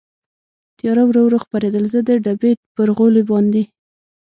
تېاره ورو ورو خپرېدل، زه د ډبې پر غولي باندې.